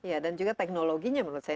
ya dan juga teknologinya menurut saya